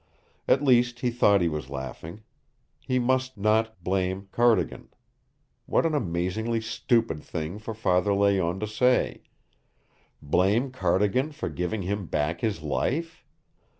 At least he thought he was laughing. He must not blame Cardigan! What an amazingly stupid thing for Father Layonne to say! Blame Cardigan for giving him back his life?